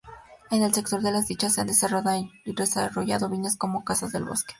En el sector de Las Dichas se han desarrollado viñas, como Casas del Bosque.